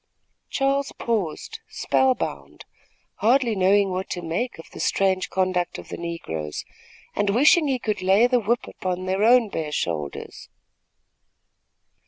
Charles paused, spell bound, hardly knowing what to make of the strange conduct of the negroes, and wishing he could lay the whip about their own bare shoulders.